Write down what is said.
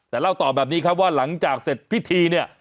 แต่เล่าต่อแบบนี้ครับว่าหลังจากเสร็จพิธีเนี่ย